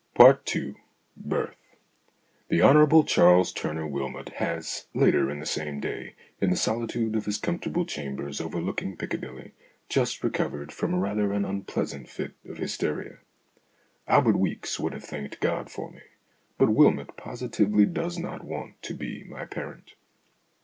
II BIRTH THE Hon. Charles Tumour Wylmot has, later in the same day, in the solitude of his comfortable chambers overlooking Piccadilly, just recovered from rather an unpleasant fit of hysteria. Albert Weeks would have thanked God for me, but Wylmot positively does not want to be my parent.